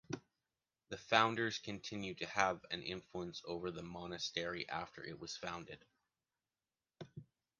The founders continued to have an influence over the monastery after it was founded.